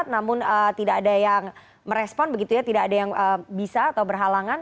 namun tidak ada yang merespon begitu ya tidak ada yang bisa atau berhalangan